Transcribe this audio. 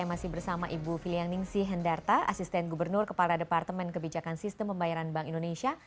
dan saya masih bersama ibu filiang ningsih hendarta asisten gubernur kepala departemen kebijakan sistem pembayaran bank indonesia